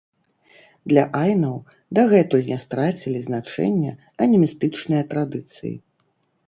Для айнаў дагэтуль не страцілі значэння анімістычныя традыцыі.